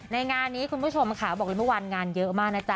งานนี้คุณผู้ชมค่ะบอกเลยเมื่อวานงานเยอะมากนะจ๊